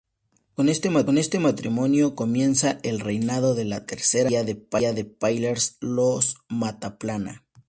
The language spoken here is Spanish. Con este matrimonio, comienza el reinado de la tercera dinastía de Pallars: los Mataplana.